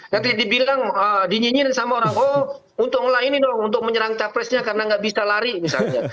nanti dibilang dinyinyirin sama orang oh untunglah ini dong untuk menyerang capresnya karena nggak bisa lari misalnya